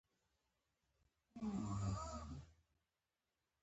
ماشین لکه چې جام شو.